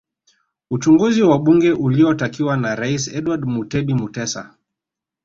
Uchunguzi wa bunge uliotakiwa na Rais Edward Mutebi Mutesa